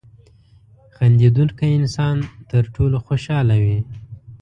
• خندېدونکی انسان تر ټولو خوشحاله وي.